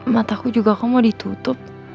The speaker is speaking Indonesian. mataku juga kamu mau ditutup